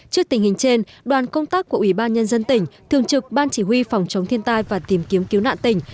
trước tình hình trên đoàn công tác của ủy ban nhân dân tỉnh thường trực ban chỉ huy phòng chống thiên tai và tìm kiếm cứu nạn tỉnh